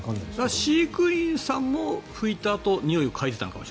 飼育員さんも拭いたあとにおいを嗅いでいたのかも。